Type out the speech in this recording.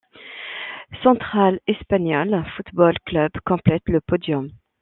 Central Español Fútbol Club complète le podium.